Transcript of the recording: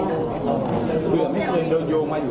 เหมือนกับเหมือนเดียว